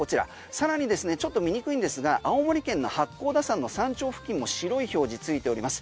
更にですねちょっと見にくいんですが青森県の八甲田山の山頂付近も白い表示ついております。